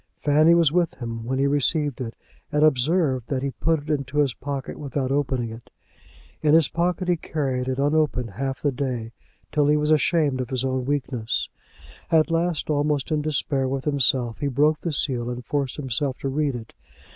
Fanny was with him when he received it, and observed that he put it into his pocket without opening it. In his pocket he carried it unopened half the day, till he was ashamed of his own weakness. At last, almost in despair with himself, he broke the seal and forced himself to read it.